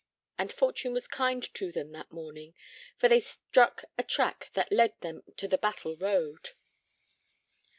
And fortune was kind to them that morning, for they struck a track that led them to the Battle road.